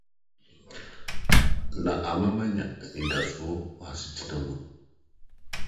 na ama manya anidaso wɔ asetena mu. ”